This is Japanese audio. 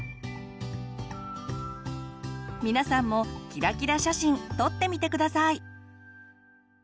皆さんもキラキラ写真撮ってみて下さい！